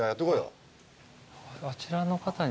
あちらの方に。